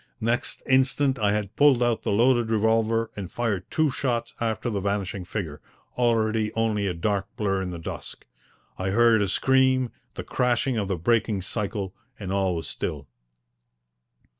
Next instant I had pulled out the loaded revolver and fired two shots after the vanishing figure, already only a dark blur in the dusk. I heard a scream, the crashing of the breaking cycle, and all was still.